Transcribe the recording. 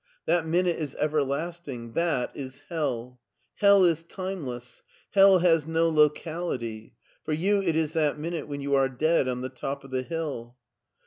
That minute is everlasting, that is hell. Hell is timeless; hell has no locality; for you it is that minute when you are dead on the top of the hill!"